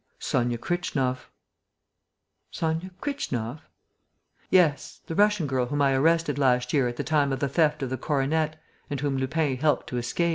"Sonia Kritchnoff." "Sonia Kritchnoff?" "Yes, the Russian girl whom I arrested last year at the time of the theft of the coronet, and whom Lupin helped to escape."